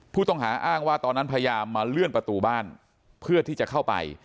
ผู้ต้องหาอ้างว่าตอนนั้นพยายามมาเลื่อนประตูบ้านเพื่อที่จะเข้าไป